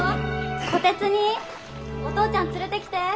・虎鉄にいお父ちゃん連れてきて！